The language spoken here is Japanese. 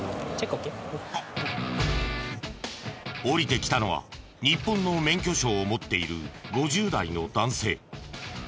降りてきたのは日本の免許証を持っている５０代の男性。